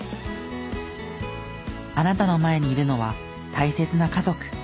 あなたの前にいるのは大切な家族。